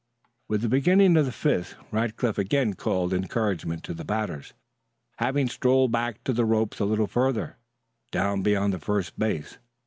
With the beginning of the fifth Rackliff again called encouragement to the batters, having strolled back to the ropes a little further down beyond first base.